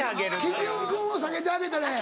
基準君を下げてあげたらええ。